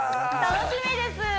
楽しみです